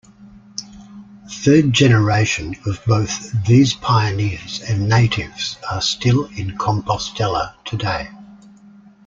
Third generation of both these pioneers and natives are still in Compostela today.